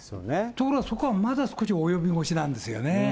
ところがそこはまだ少し及び腰なんですよね。